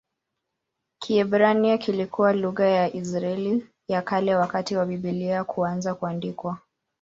Kiebrania kilikuwa lugha ya Israeli ya Kale wakati wa Biblia kuanza kuandikwa.